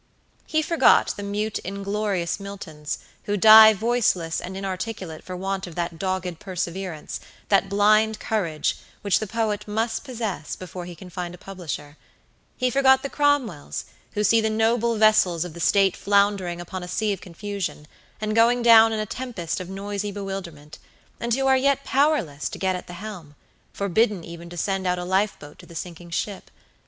He forgot the mute inglorious Miltons, who die voiceless and inarticulate for want of that dogged perseverance, that blind courage, which the poet must possess before he can find a publisher; he forgot the Cromwells, who see the noble vessels of the state floundering upon a sea of confusion, and going down in a tempest of noisy bewilderment, and who yet are powerless to get at the helm; forbidden even to send out a life boat to the sinking ship.